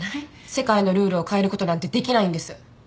世界のルールを変えることなんてできないんです。